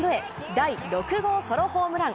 第６号ソロホームラン。